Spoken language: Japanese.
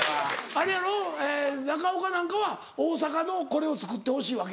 あれやろ中岡なんかは大阪のこれを作ってほしいわけやろ？